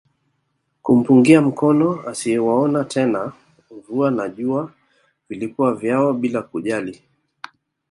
Kumpungia mkono asiyewaona tena mvua na jua vilikuwa vyao bila kujali